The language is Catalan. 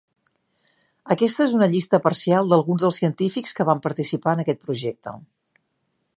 Aquesta és una llista parcial d'alguns dels científics que van participar en aquest projecte.